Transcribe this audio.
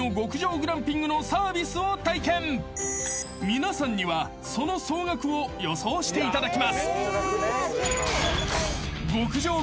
［皆さんにはその総額を予想していただきます］